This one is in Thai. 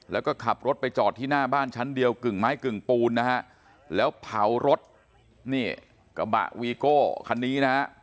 แล้วก็ขับรถไปจอดที่หน้าบ้านชั้นเดียวกึ่งไม้กึ่งปูนนะฮะแล้วเผารถนี่กระบะวีโก้คันนี้นะฮะ